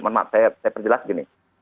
mohon maaf saya perjelas gini